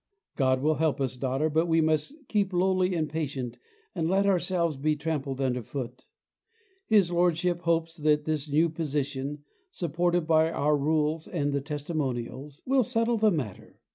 God will help us, daughter, but we must keep lowly and patient and let ourselves be trampled under foot. His Lordship hopes that this new petition, supported by our Rules and the testimonials, will settle the matter.